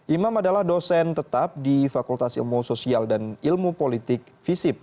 imam adalah dosen tetap di fakultas ilmu sosial dan ilmu politik visip